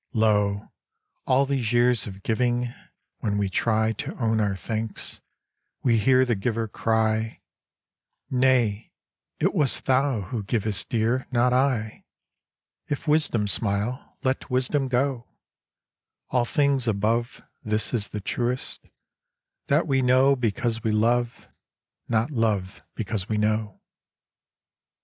Lo, all these years of giving, when we try To own our thanks, we hear the giver cry; "Nay, it was thou who givest, Dear, not I." If Wisdom smile, let Wisdom go! All things above This is the truest; that we know because we love, Not love because we know.